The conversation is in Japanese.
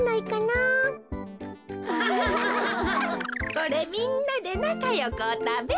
これみんなでなかよくおたべ。